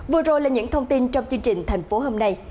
vừa rồi là những thông tin trong chương trình thành phố hôm nay